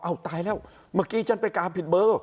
เอาตายแล้วเมื่อกี้ฉันไปกาผิดเบอร์